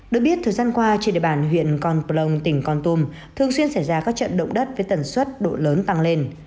được biết thời gian qua trên địa bàn huyện con plong tỉnh con tum thường xuyên xảy ra các trận động đất với tần suất độ lớn tăng lên